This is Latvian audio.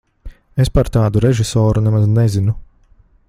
Es par tādu režisoru nemaz nezinu.